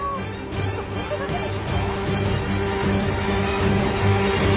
ちょっと転んだだけでしょ。